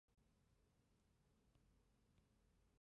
宋代仍有设置。